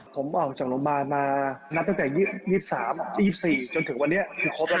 ผมออกจากโรงพยาบาลมานับตั้งแต่๒๓๒๔จนถึงวันนี้คือครบแล้ว